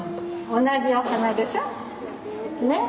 同じお花でしょ？ね。